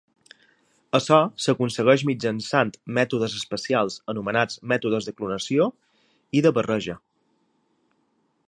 Això s'aconsegueix mitjançant mètodes especials anomenats mètodes de "clonació" i de "barreja".